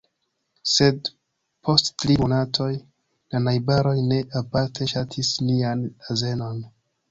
Sed, post tri monatoj, la najbaroj ne aparte ŝatis nian azenon.